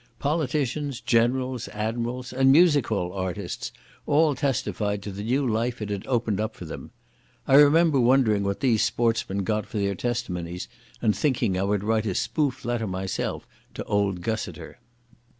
Politicians, generals, admirals, and music hall artists all testified to the new life it had opened up for them. I remember wondering what these sportsmen got for their testimonies, and thinking I would write a spoof letter myself to old Gussiter.